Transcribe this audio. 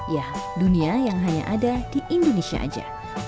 ya dunia yang hanya ada di indonesia saja